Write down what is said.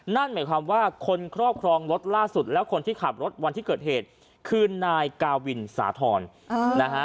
นั่นหมายความว่าคนครอบครองรถล่าสุดแล้วคนที่ขับรถวันที่เกิดเหตุคือนายกาวินสาธรณ์นะฮะ